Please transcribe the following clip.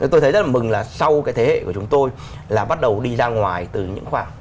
tôi thấy rất là mừng là sau cái thế hệ của chúng tôi là bắt đầu đi ra ngoài từ những khoảng